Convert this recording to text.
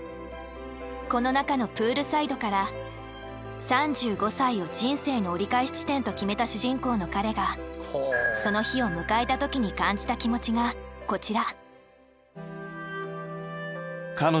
この中の「プールサイド」から３５歳を人生の折り返し地点と決めた主人公の彼がその日を迎えた時に感じた気持ちがこちら。